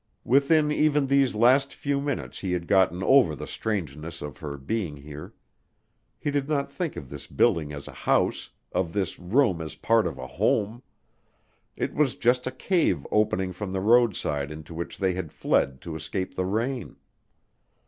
Within even these last few minutes he had gotten over the strangeness of her being here. He did not think of this building as a house, of this room as part of a home; it was just a cave opening from the roadside into which they had fled to escape the rain.